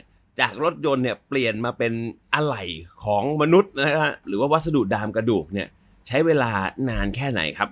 ได้หลักรถยนต์เปลี่ยนมาเป็นอะไรของมนุษย์หรือวัสดุดามกระดูกใช้เวลานานแค่ไหนครับ